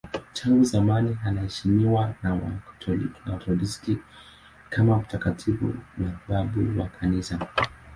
Tangu zamani anaheshimiwa na Wakatoliki na Waorthodoksi kama mtakatifu na babu wa Kanisa.